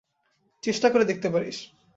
চেষ্টা করে দেখতে পারিস।